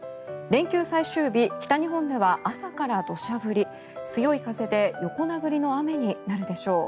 連休最終日北日本では朝から土砂降り強い風で横殴りの雨になるでしょう。